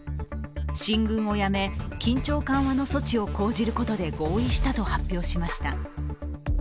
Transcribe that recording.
進軍をやめ、緊張緩和の措置を講じることで合意したと発表しました。